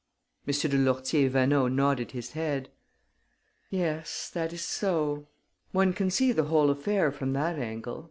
M. de Lourtier Vaneau nodded his head: "Yes, that is so. One can see the whole affair from that angle